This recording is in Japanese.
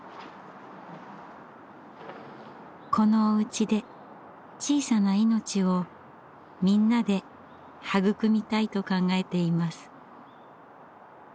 このおうちで小さな命をみんなで育みたいと考えています。